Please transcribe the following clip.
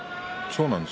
そうなんです。